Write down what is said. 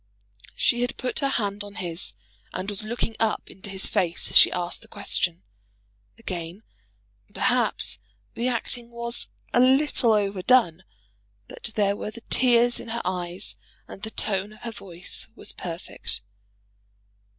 She had put her hand on his, and was looking up into his face as she asked the question. Again, perhaps, the acting was a little overdone; but there were the tears in her eyes, and the tone of her voice was perfect.